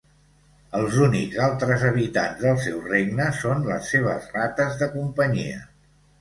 Els únics altres habitants del seu regne són les seves rates de companyia.